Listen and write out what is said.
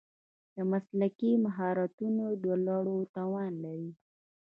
د مسلکي مهارتونو د لوړولو توان لري.